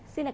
xin cảm ơn